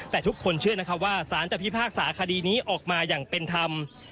แต่ทุกคนเชื่อนะครับว่าสารจะพิพากษาคดีนี้ออกมาอย่างเป็นธรรม